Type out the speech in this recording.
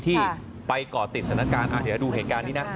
ที่ไปก่อติดสถานการณ์เดี๋ยวดูเหตุการณ์นี้นะ